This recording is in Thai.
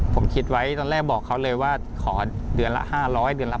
ผมคิดไว้ตอนแรกบอกเขาเลยว่าขอเดือนละ๕๐๐เดือนละ